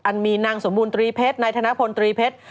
อันมีนางสมบูรณ์๓เพชรนายธนาพล๓เพชร